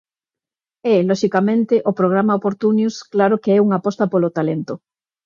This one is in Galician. E, loxicamente, o programa Oportunius claro que é unha aposta polo talento.